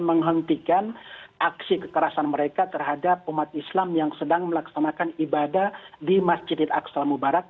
menghentikan aksi kekerasan mereka terhadap umat islam yang sedang melaksanakan ibadah di masjid aksal mubarak